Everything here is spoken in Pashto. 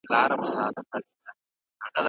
دا نوی هارډیسک ډېر ځای لري.